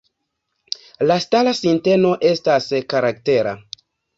La stara sinteno estas karaktera.